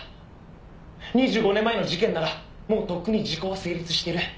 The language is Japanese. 「２５年前の事件ならもうとっくに時効は成立している」